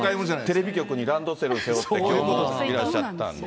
テレビ局にランドセルを背負っていらっしゃった。